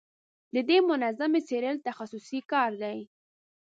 د دې منظومې څېړل تخصصي کار دی.